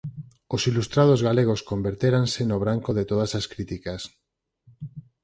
Os ilustrados galegos convertéranse no branco de todas as críticas.